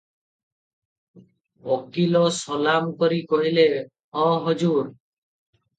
ଉକୀଲ ସଲାମ କରି କହିଲେ, "ହଁ ହଜୁର ।"